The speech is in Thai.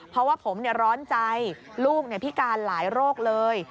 เพราะว่าผมร้อนใจลูกพิการหลายโรคเลย